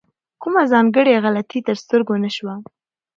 کومه ځانګړې غلطي تر سترګو نه شوه.